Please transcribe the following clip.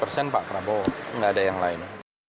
seratus persen pak prabowo nggak ada yang lain